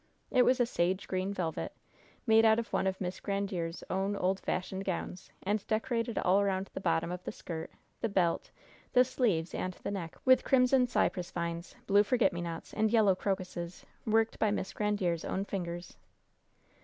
It was a sage green velvet, made out of one of Miss Grandiere's own old fashioned gowns, and decorated all around the bottom of the skirt, the belt, the sleeves and the neck with crimson cypress vines, blue forget me nots and yellow crocuses, worked by Miss Grandiere's own fingers.